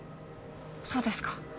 そうですか。